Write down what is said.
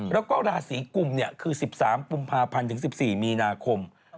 แล้วก็ราศีกุมคือ๑๓กุมภาพันธ์ถึง๑๔มีนาคม